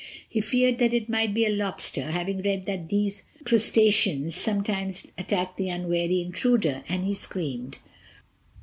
He feared that it might be a lobster, having read that these crustaceans sometimes attack the unwary intruder, and he screamed.